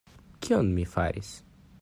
Kion mi faris?